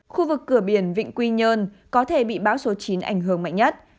khu vực cửa biển vịnh quy nhơn có thể bị bão số chín ảnh hưởng mạnh nhất